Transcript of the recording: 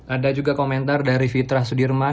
ada juga komentar dari fitra sudirman